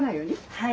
はい。